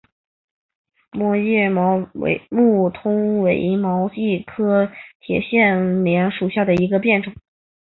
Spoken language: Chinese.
膜叶毛木通为毛茛科铁线莲属下的一个变种。